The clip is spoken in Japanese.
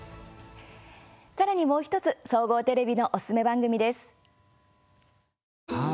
さらに、もう１つ総合テレビのおすすめ番組です。